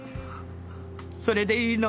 それでいいの？